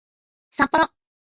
さっぽろ